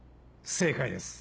正解です。